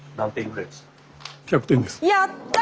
やった！